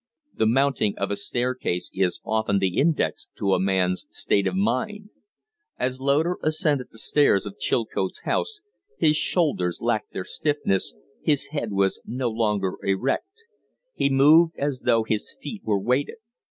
The mounting of a staircase is often the index to a man's state of mind. As Loder ascended the stairs of Chilcote's house his shoulders lacked their stiffness, his head was no longer erect; he moved as though his feet were weighted.